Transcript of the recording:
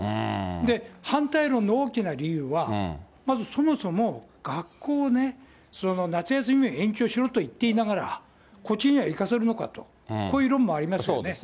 で、反対論の大きな理由は、まずそもそも学校をね、その夏休みを延長しろと言いながら、こっちには行かせるのかと、こういう論もありますよね。